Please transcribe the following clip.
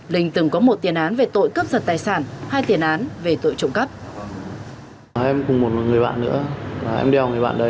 linh từng có một tiền án về tội cướp giật tài sản hai tiền án về tội trộm cắp